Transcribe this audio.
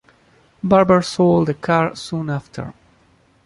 Barber sold the car soon after.